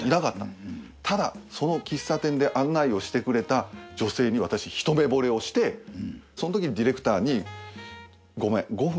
ただその喫茶店で案内をしてくれた女性に私一目惚れをしてそのときにディレクターにごめん５分時間をくださいと。